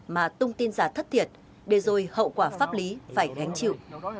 mà tung tin giả thất thiệt để rồi hậu quả pháp lý phải gánh chịu